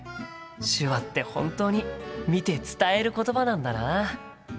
手話って本当に見て伝えることばなんだな。